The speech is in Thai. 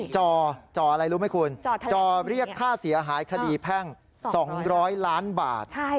จ่ออะไรรู้ไหมคุณจอเรียกค่าเสียหายคดีแพ่ง๒๐๐ล้านบาท